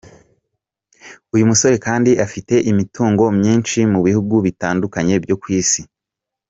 Uyu musore kandi afite imitungo myinshi mu bihugu bitandukanye byo ku isi.